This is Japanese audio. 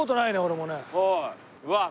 うわっ！